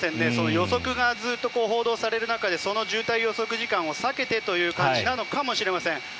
予測がずっと報道される中でその渋滞予測時間を避けてという感じなのかもしれません。